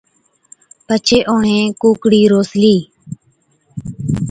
پڇي اُڻهين ڪُوڪڙِي روسلِي،